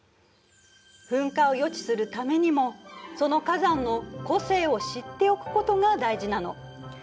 噴火を予知するためにもその火山の個性を知っておくことが大事なの。